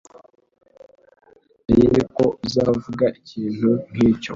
Nari nzi ko uzavuga ikintu nkicyo.